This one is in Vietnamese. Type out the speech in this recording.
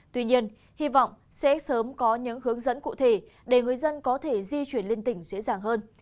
tuy nhiên hy vọng sẽ sớm có những hướng dẫn cụ thể để người dân có thể di chuyển lên tỉnh dễ dàng hơn